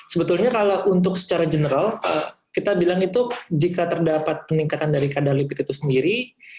sebetulnya kalau untuk secara general kita bilang itu jika terdapat peningkatan dari kadar lipid itu sendiri